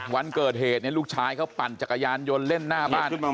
วันเกิดเหตุเนี่ยลูกชายเขาปั่นจักรยานยนต์เล่นหน้าบ้าน